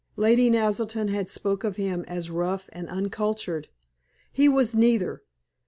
Lady Naselton had spoken of him as rough and uncultured. He was neither.